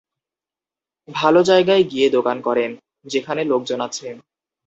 ভালো জায়গায় গিয়ে দোকান করেন, যেখানে লোকজন আছে।